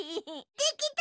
できた！